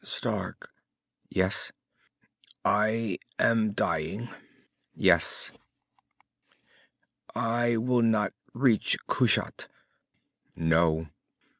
"Stark." "Yes?" "I am dying." "Yes." "I will not reach Kushat." "No."